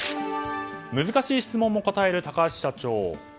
難しい質問も答える高橋社長。